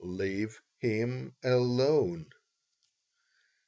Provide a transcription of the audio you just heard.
Leave him alone."